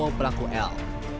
orang tua pelaku l